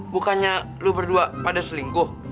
bukannya lu berdua pada selingkuh